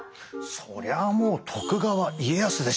そりゃもう徳川家康でしょ！